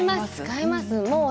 買います。